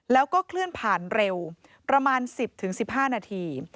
แล้วก็เคลื่อนผ่านเร็วประมาณ๑๐๑๕นาที